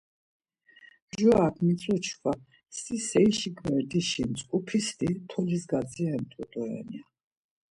Mjorak mitzu çkva, si serişi gverdisti, mtzǩupis ti tolis gadziret̆u doren ya.